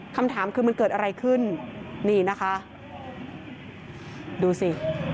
คำถามคือมันเกิดอะไรขึ้นนี่นะคะดูสิ